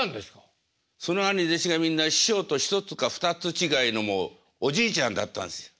その兄弟子がみんな師匠と１つか２つ違いのもうおじいちゃんだったんです。